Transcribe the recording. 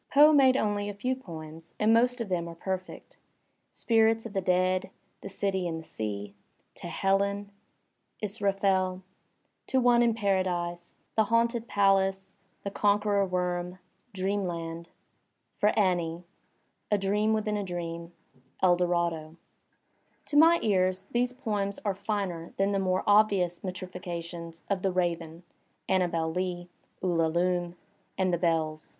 Poe made only a few poems, and most of them are perfect — "Spirits of the Dead," "The City in the Sea," " To Helen," "Israfel," "To Digitized by Google 144 THE SPIRIT OF AMERICAN LITERATURE One in Paradise," "The Haunted Palace," "The Conqueror Worm," "Dreamland," "For Annie," "A Dream Within a Dream," "Eldorado." To my ear these poems are finer than the more obvious metrifications of "The Raven," " Annabel Lee," "Ulalume," and "The BeUs."